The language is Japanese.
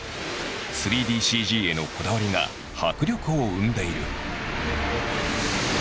３ＤＣＧへのこだわりが迫力を生んでいる。